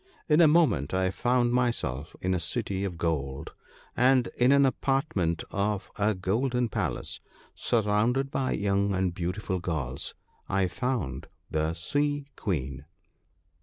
In a moment I found myself in a city of gold ; and in an apartment of a golden palace, sur rounded by young and beautiful girls, I found the Sea queen.